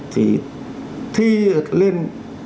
thì thi lên